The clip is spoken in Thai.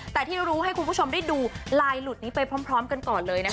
แต่ที่รู้ให้คุณผู้ชมได้ดูลายหลุดนี้ไปพร้อมกันก่อนเลยนะคะ